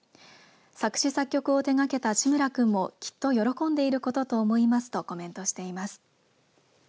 作詞作曲を手がけた志村君もきっと喜んでいることと思いますとコメントしています。